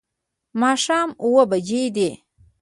ماښام اووه بجې دي